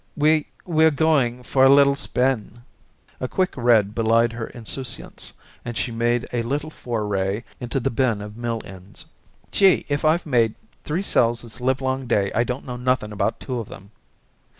We we're going for a little spin." A quick red belied her insouciance and she made a little foray into the bin of mill ends. "Gee! if I've made three sales this livelong day I don't know nothing about two of them."